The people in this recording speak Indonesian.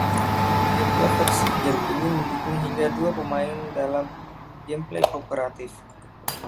Kedua versi game ini mendukung hingga dua pemain dalam gameplay kooperatif.